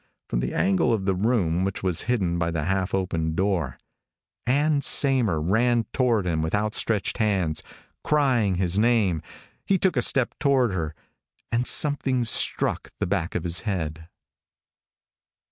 From the angle of the room which was hidden by the half open door, Ann Saymer ran toward him with outstretched hands, crying his name. He took a step toward her. And something struck the back of his head.